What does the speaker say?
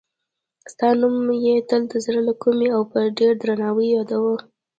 ستا نوم یې تل د زړه له کومې او په ډېر درناوي یادوه.